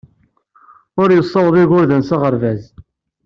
Ur yessaweḍ igerdan s aɣerbaz.